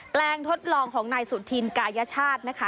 ลงทดลองของนายสุธินกายชาตินะคะ